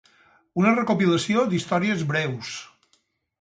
Una recopilació d'històries breus.